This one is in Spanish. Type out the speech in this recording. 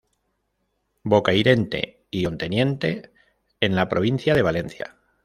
Bocairente y Onteniente en la provincia de Valencia.